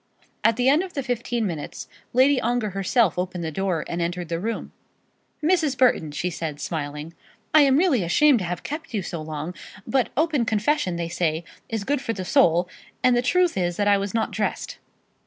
At the end of the fifteen minutes, Lady Ongar herself opened the door and entered the room. "Mrs. Burton," she said, smiling, "I am really ashamed to have kept you so long; but open confession, they say, is good for the soul, and the truth is that I was not dressed."